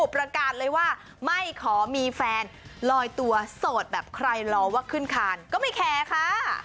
ประกาศเลยว่าไม่ขอมีแฟนลอยตัวโสดแบบใครรอว่าขึ้นคานก็ไม่แคร์ค่ะ